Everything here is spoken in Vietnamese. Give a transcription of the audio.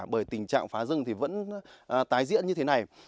bởi tình trạng phá rừng thì vẫn tái diễn như thế này